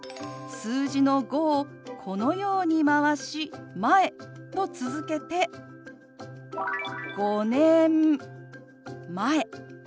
数字の「５」をこのように回し「前」と続けて「５年前」と表します。